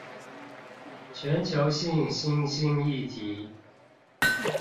全球性新興議題